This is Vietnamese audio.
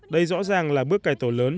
đây rõ ràng là bước cải tổ lớn